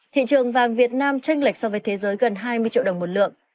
thị trường vàng việt nam tranh lệch so với thế giới gần hai mươi triệu đồng một lượng